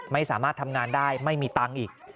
ไม่สามารถทำงานได้ไม่มีตังค์อีก